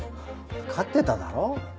わかってただろ。